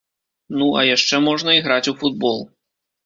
Ну, а яшчэ можна іграць у футбол.